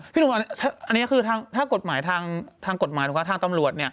พี่หนุ่มอันนี้คือทางกฎหมายทางตำรวจ